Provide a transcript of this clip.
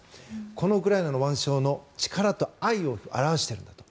このウクライナの腕章は力と愛を表しているんだと。